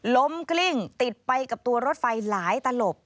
ล้มคลิ้งติดไปกับตัวรถไฟหลายตะโหลบ